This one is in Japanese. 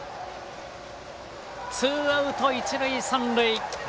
ツーアウト一塁三塁。